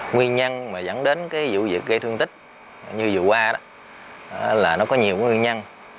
nguyên nhân mà dẫn đến cái vụ việc gây thương tích như vừa qua đó là nó có nhiều nguyên nhân